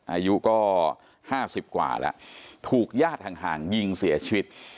อายุก็๕๐กว่าแล้วถูกญาติห่างยิงเสียชีวิต